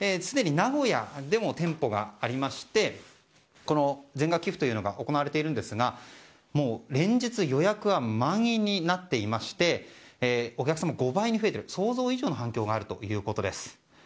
すでに名古屋でも店舗がありまして全額寄付が行われているんですが連日、予約は満員になっていましてお客さんも５倍に増えているという想像以上の反響があるということです。